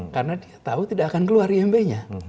karena dia tahu tidak akan keluar iab nya